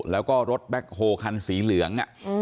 แล้วก็รถแบ็คโฮคันสีเหลือง